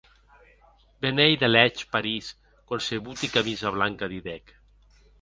Be n’ei de lèg París quan se bote camisa blanca!, didec.